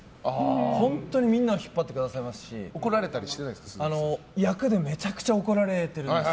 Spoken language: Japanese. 本当にみんなを引っ張ってくださいますし役でめちゃくちゃ怒られてるんですよ。